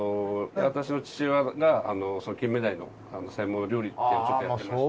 私の父親が金目鯛の専門の料理っていうのをちょっとやってまして。